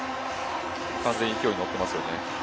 完全に勢いに乗っていますよね。